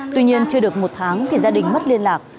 tuy nhiên chưa được một tháng thì gia đình mất liên lạc